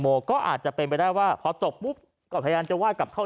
ก็อาจจะเป็นไปได้ว่าพอจบปุ๊บก็พยายามจะไห้กลับเข้า